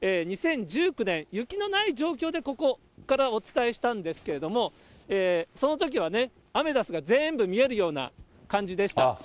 で、２０１９年、雪のない状況でここからお伝えしたんですけれども、そのときはね、アメダスが全部見えるような感じでした。